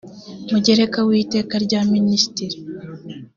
mugereka w iteka rya minisitiri n